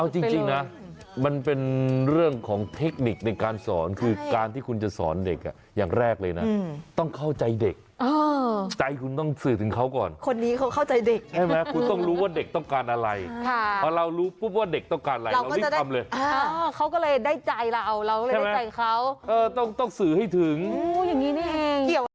ใช่ไหมครูต้องรู้ว่าเด็กต้องการอะไรค่ะพอเรารู้ปุ๊บว่าเด็กต้องการอะไรเรารีบทำเลยอ่าเขาก็เลยได้ใจเราเราก็เลยได้ใจเขาใช่ไหมเออต้องต้องสื่อให้ถึงโอ้อย่างงี้นี่เอง